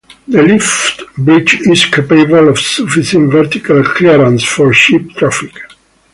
The lift bridge is capable of sufficient vertical clearance for ship traffic.